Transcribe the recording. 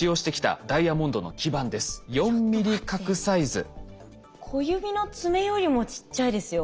それが小指の爪よりもちっちゃいですよ。